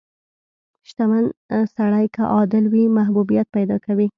• شتمن سړی که عادل وي، محبوبیت پیدا کوي.